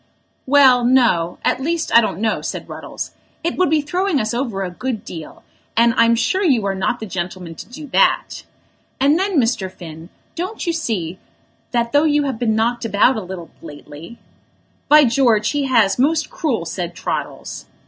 "Well, no; at least I don't know," said Ruddles. "It would be throwing us over a good deal, and I'm sure you are not the gentleman to do that. And then, Mr. Finn, don't you see that though you have been knocked about a little lately " "By George, he has, most cruel," said Troddles.